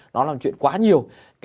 nó làm chuyện quá nhiều